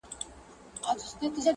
راځه ولاړ سه له نړۍ د انسانانو -